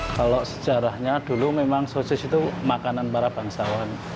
kalau sejarahnya dulu memang sosis itu makanan para bangsawan